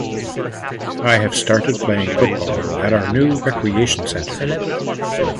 I have started playing football at our new Recreation centre